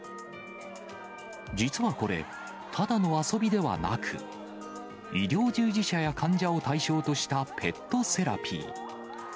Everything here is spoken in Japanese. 実はこれ、ただの遊びではなく、医療従事者や患者を対象としたペットセラピー。